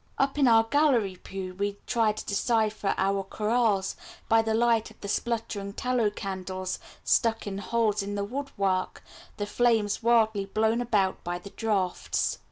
Up in our gallery pew we tried to decipher our chorales by the light of the spluttering tallow candles stuck in holes in the woodwork, the flames wildly blown about by the draughts.